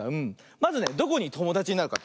まずねどこにともだちになるか。